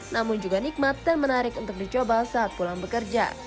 namun juga nikmat dan menarik untuk dicoba saat pulang bekerja